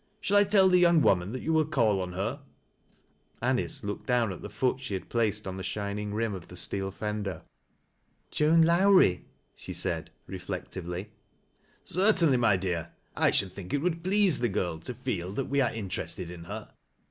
Shall I tell the young woman that you. will call on her ?" Anice looked down at the foot she had placed on thii shining rim of the steel fender. " Joan Lowrie ?" she said refiectively. " Certainly, my dear. I should think it would please )he girl to feel that we are interested in her."